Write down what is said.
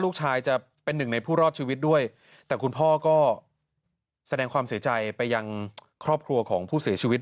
จะเป็นหนึ่งในผู้รอดชีวิตด้วยแต่คุณพ่อก็แสดงความเสียใจไปยังครอบครัวของผู้เสียชีวิต